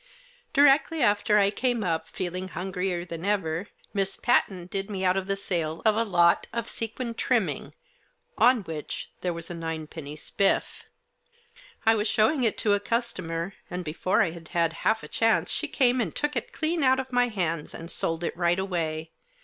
Directly after I came up, feeling hungrier than ever, Miss Patten did me out of the sale of a lot of sequin trimming on which there was a ninepenny spiff. I was showing it to a customer, and before I had had half a chance she came and took it clean out of my hands, and sold it right away.